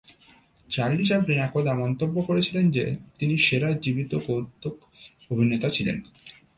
Charlie Chaplin একদা মন্তব্য করেছিলেন যে, তিনি সেরা জীবিত কৌতুক অভিনেতা ছিলেন।